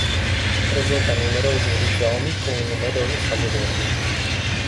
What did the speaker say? Presenta numerosi rizomi con numerose foglie verdi.